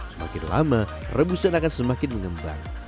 semakin lama rebusan akan semakin mengembang